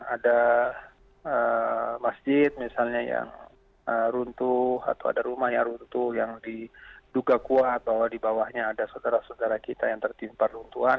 ada masjid misalnya yang runtuh atau ada rumah yang runtuh yang diduga kuat bahwa di bawahnya ada saudara saudara kita yang tertimpa runtuhan